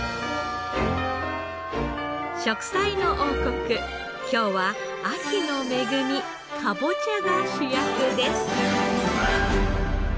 『食彩の王国』今日は秋の恵みかぼちゃが主役です。